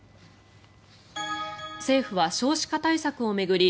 政府は少子化対策を巡り